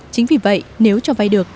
chính vì vậy nếu cho vay được